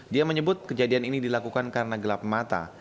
dia menyebut kejadian ini dilakukan karena gelap mata